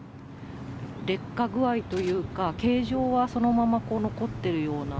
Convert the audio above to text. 劣化具合というか、形状はそのまま残っているような？